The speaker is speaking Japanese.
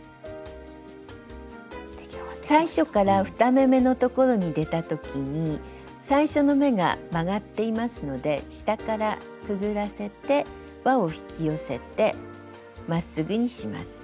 最初から２目めのところに出た時に最初の目が曲がっていますので下からくぐらせてわを引き寄せてまっすぐにします。